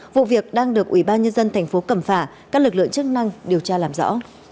vụ việc đang được ủy ban nhân dân thành phố cẩm phả các lực lượng chức năng điều tra làm rõ